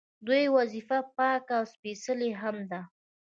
دوی وظیفه پاکه او سپیڅلې هم ده.